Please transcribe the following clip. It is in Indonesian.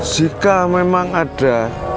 jika memang ada